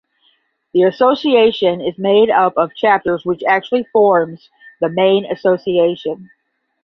The association is made up of chapters which actually forms the main association.